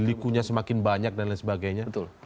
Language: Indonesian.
likunya semakin banyak dan lain sebagainya